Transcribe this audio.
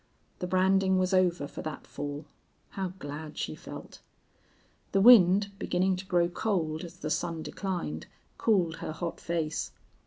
The branding was over for that fall. How glad she felt! The wind, beginning to grow cold as the sun declined, cooled her hot face.